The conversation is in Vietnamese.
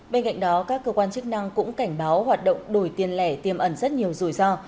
bên cạnh đó các cơ quan chức năng cũng cảnh báo hoạt động đổi tiền lẻ tiêm ẩn rất nhiều rủi ro